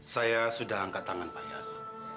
saya sudah angkat tangan pak yas